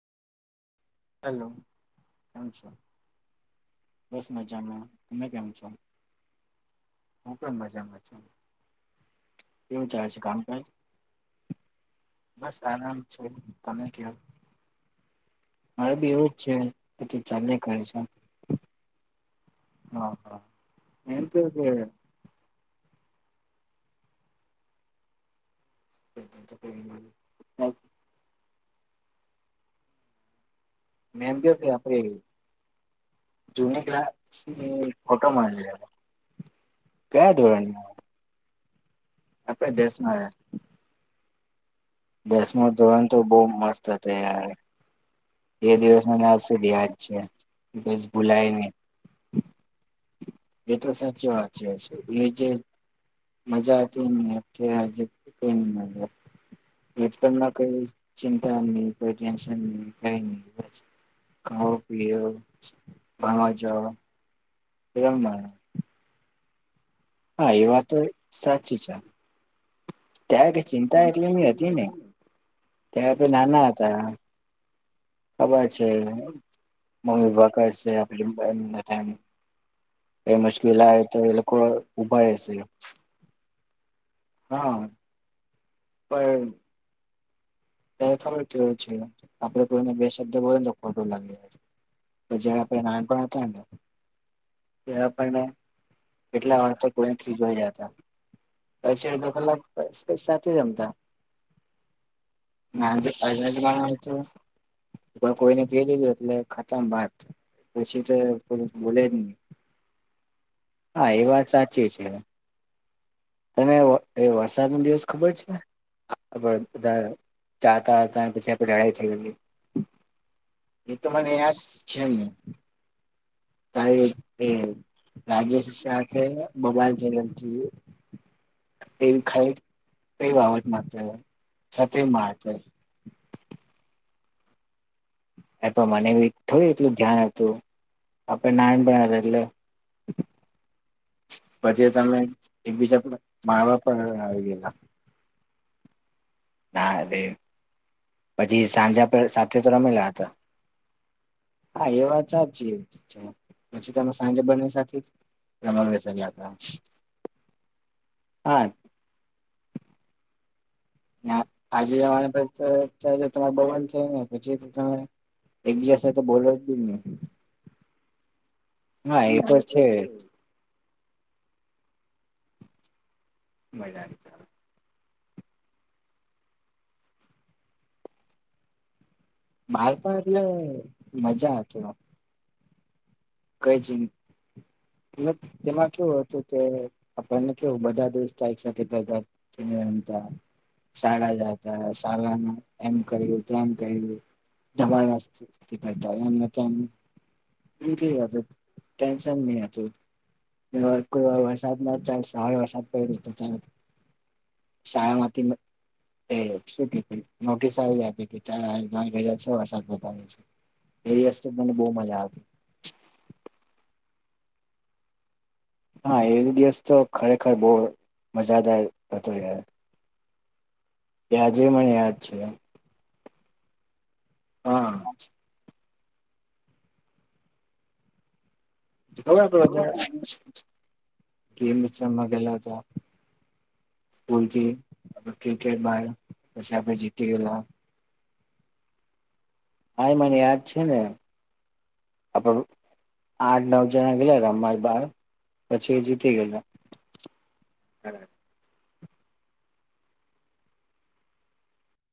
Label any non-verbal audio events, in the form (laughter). Hello આવે છે. બસ મજામાં તમે કેમ છો. હુ પણ મજામાં છુ કેવું ચાલશે કામ કાજ બસ આનંદ છેં તમે કિયો મારે ભી એવું છેં બધું ચાલે કરે હા હા એમ કેવોતે (unintelligible) મે એમ કેહુ કે આપેડે (unintelligible) કયા ધોરણ માં હસે દસ માં દસ મા ધોરણ તો બહુ મસ્ત હતો યાર. એ દિવસ મને આજુ સુધી યાદ છે કોઈ દિસ ભૂલાય ની (unintelligible) મજા હતી. બચપન મા કોઈ ચિંતા (unintelligible) ખાઓ પિયો મોજ કરો (unintelligible) હા એ વાતોએ સાચી છે. ત્યારે કે ચિંતા એટલીની હતી ને ત્યારે તો નાના હતા. ખબર છે મમ્મી (unintelligible) એ મુશ્કેલ આવે તો એ લોકો ઊભા રહેશે હા પણ અત્યારે ખબર કેવું છે આપડે કોઈને બે શબ્દ બોલે ને તો ખોટો લાગી જાય છેં પછ જ્યાં આપણે નાનપણ હતા ને એ આપને કેટલા વાકે કોઈને ખીજવાઈ જતા પછી અધો કલાક પ સાથેજ રમતા નાજ અજુ (unintelligible) પણ કોઈને કહી દીધું એટલે ખતમ બાત પછી તો પોછી તો ભૂલે જ નહી હા એ વાત સાચી છે તને એ વરસાદનો દિવસ ખબર છે આપડે બધા જાતા હતા પછી આપણેે (unintelligible) થઈ ગઈ એ તો મને યાદ છે ને તારી એ રાજેશ શાહ સાથે બબાલ (unintelligible) એવી (unintelligible) કઈ બાબત માટે (unintelligible) એ પણ મને બી થોડું એટલું ધ્યાન હતું આપે નાના હતા એટલે પછી તમે એકબીજા પર મારવા થઈ ગેલા નારે પછી સાંજે આપડે સાથે તો રમેલા હતા હા એ વાત સાચી છે પછી તમે સાંજે બને સાથે રમાવા બેસેલા હતા હા ના આજે જમાના (unintelligible) એક બીજા સાથે બોલો (unintelligible) હા એ તો છે (unintelligible) બાળપણ એટલે મજા હતી વા. (unintelligible) તેમાં કેવું હતું કે આપણને કેવું બધા દોસ્તદાર એક સાથે ભેગા (unintelligible) જાતા શાળામાં (unintelligible) (unintelligible) ટેન્શન ની હતું કોઈ વાર વરસાદ ન જ ચાલશ આવે વરસાદ. (unintelligible) શાળામાંથી મ એ શું કે નોટિસ આવી જ હતી કે સાયીઠ હજાર છ વરસાદ બતાવે છે. એ દિવસથી મને બો મજા આવતી. હા, એક દિવસ તો ખરેખર બો મજાદાર હતો યાર. ત્યાજે મને યાદ છે. હા. (unintelligible) (unintelligible) ગેલા હતા. ભૂલથી ક્રિકેટ બાર પછી આપે જીતી ગેલા. (inaudible) હા એ મને યાદ છે ને આપણ આઠ નવ જણા ગેલા રમ્મા બાર પછી એ જીતી ગેલા. સરસ.